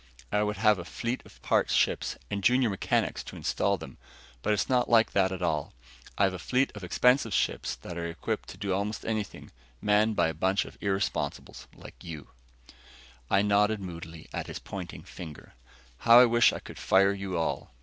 I would have a fleet of parts ships and junior mechanics to install them. But its not like that at all. I have a fleet of expensive ships that are equipped to do almost anything manned by a bunch of irresponsibles like you." I nodded moodily at his pointing finger. "How I wish I could fire you all!